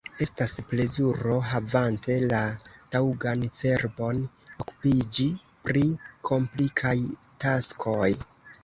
Estas plezuro – havante la taŭgan cerbon – okupiĝi pri komplikaj taskoj.